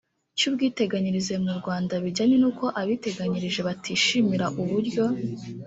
cy ubwiteganyirize mu rwanda bijyanye n uko abiteganyirije batishimira uburyo